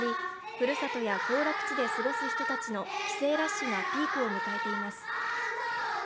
ふるさとや行楽地で過ごす人たちの帰省ラッシュがピークを迎えています。